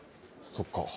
そっかぁ。